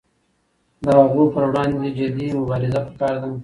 د هغو پر وړاندې جدي مبارزه پکار ده.